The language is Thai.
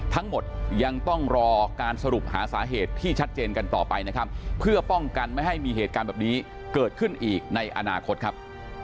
ทั้งหมดยังต้องรอการสรุปหาสาเหตุที่ชัดเจนกันต่อไปนะครับเพื่อป้องกันไม่ให้มีเหตุการณ์แบบนี้เกิดขึ้นอีกในอนาคตครับ